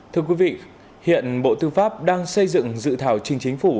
thưa quý vị hiện bộ tư pháp đang xây dựng dự thảo trình chính phủ